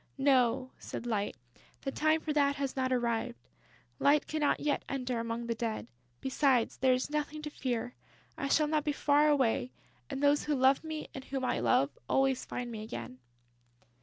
"No," said Light. "The time for that has not arrived. Light cannot yet enter among the Dead. Besides, there is nothing to fear. I shall not be far away; and those who love me and whom I love always find me again...."